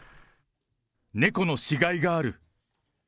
猫の死骸がある。